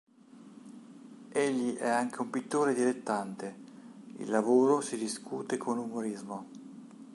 Egli è anche un pittore dilettante, il lavoro si discute con umorismo.